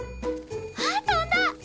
あっ飛んだ！